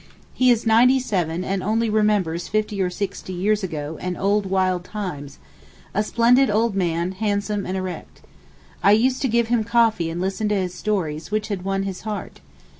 He is ninety seven and only remembers fifty or sixty years ago and old wild times—a splendid old man, handsome and erect. I used to give him coffee and listen to his old stories which had won his heart.